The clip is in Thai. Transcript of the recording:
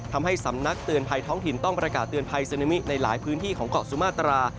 ทำให้สำนักเตือนภัยท้องถิ่นต้องประกาศเตือนภัยซึนามิในหลายพื้นที่ของเกาะสุมาตรา